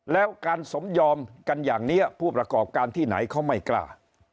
แล้วการสมยอมกันอย่างนี้ผู้ประกอบการที่ไหนเขาไม่กล้า